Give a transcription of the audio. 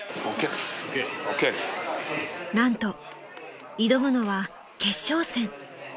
［なんと挑むのは決勝戦］